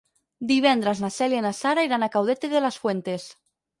Divendres na Cèlia i na Sara iran a Caudete de las Fuentes.